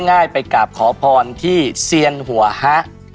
ง่ายไปกราบขอพรที่เซียนหัวฮะ